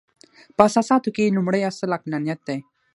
په اساساتو کې یې لومړۍ اصل عقلانیت دی.